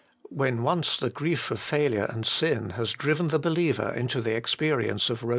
When once the grief of failure and sin has driven the believer into the experience of Kom.